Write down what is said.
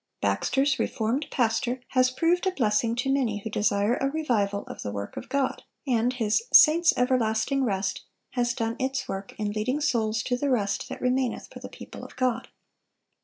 Baxter's "Reformed Pastor" has proved a blessing to many who desire a revival of the work of God, and his "Saints' Everlasting Rest" has done its work in leading souls to the "rest that remaineth for the people of God."